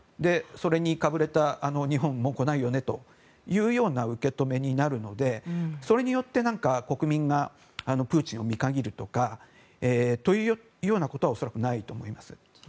それにかぶれた日本も来ないよねというような受け止めになるのでそれによって国民がプーチンを見限るとかというようなことは恐らくないと思います。